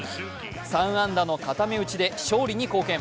３安打の固め打ちで勝利に貢献。